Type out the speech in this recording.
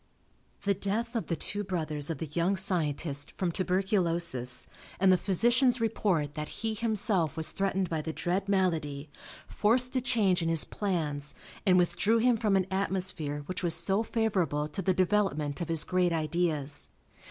The death of the two brothers of the young scientist from tuberculosis, and the physician's report that he himself was threatened by the dread malady, forced a change in his plans and withdrew him from an atmosphere which was so favorable to the development of his great ideas.